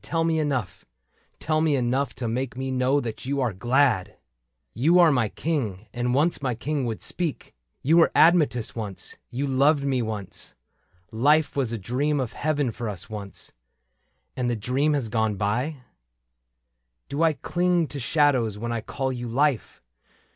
Tell me enough — tell me enough to make Me know that you are glad !^^ You are my King, and once my King would speak : You were Admetus once, you loved me once : Life was a dream of heaven for us once — And has the dream gone by ?^^ Do I cling to shadows when I call you Life